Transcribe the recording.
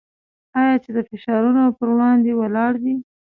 آیا چې د فشارونو پر وړاندې ولاړ دی؟